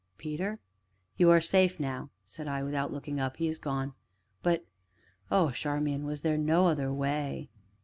"Peter?" "You are safe now," said I, without looking up, "he is gone but, oh, Charmian! was there no other way